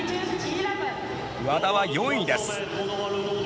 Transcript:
和田は４位です。